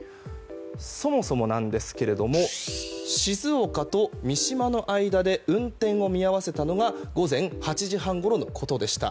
そもそもなんですけども静岡と三島の間で運転を見合わせたのが午前８時半ごろのことでした。